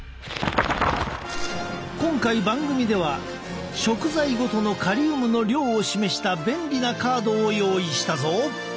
今回番組では食材ごとのカリウムの量を示した便利なカードを用意したぞ。